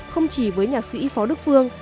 không chỉ với nhạc sĩ phó đức phương